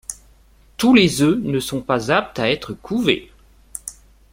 Tous les œufs ne sont pas aptes à être couvés.